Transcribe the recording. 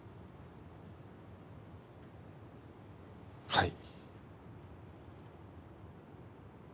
はい。